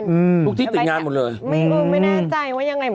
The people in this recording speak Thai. อืมทุกที่ติดงานหมดเลยไม่รู้ไม่แน่ใจว่ายังไง